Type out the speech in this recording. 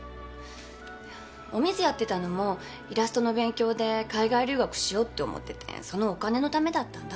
お水やってたのもイラストの勉強で海外留学しようって思っててそのお金のためだったんだ。